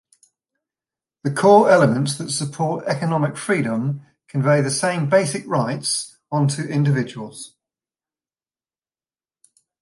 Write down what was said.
The core elements that support economic freedom convey the same basic rights onto individuals.